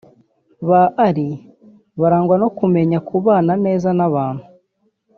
Ba Aly barangwa no kumenya kubana neza n’abantu